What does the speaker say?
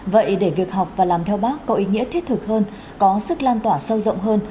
vậy để việc học và làm theo bác có ý nghĩa thiết thực hơn có sức lan tỏa sâu rộng hơn